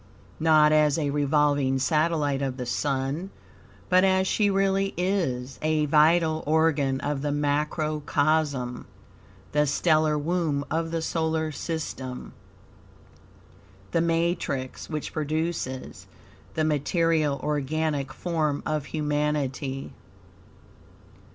Not as a revolving satellite of the Sun, but as she really is, a vital organ of the macrocosm, the stellar womb of the solar system, the matrix which produces the material organic form of humanity.